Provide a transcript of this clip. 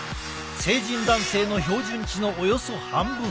成人男性の標準値のおよそ半分。